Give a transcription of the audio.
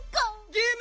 ゲーム！